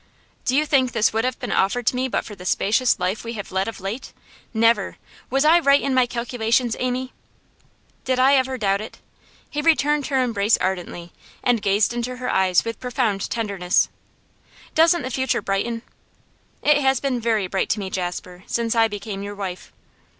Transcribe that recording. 'Do you think this would have been offered to me but for the spacious life we have led of late? Never! Was I right in my calculations, Amy?' 'Did I ever doubt it?' He returned her embrace ardently, and gazed into her eyes with profound tenderness. 'Doesn't the future brighten?' 'It has been very bright to me, Jasper, since I became your wife.